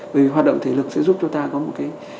bởi vì hoạt động thể lực sẽ giúp chúng ta có một cái